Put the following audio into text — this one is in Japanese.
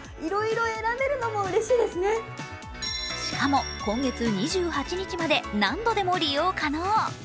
しかも今月２８日まで何度でも利用可能。